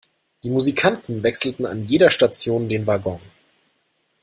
Die Musikanten wechselten an jeder Station den Waggon.